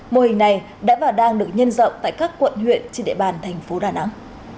mô hình này đã và đang được nhân rộng tại các quận huyện trên địa bàn thành phố đà nẵng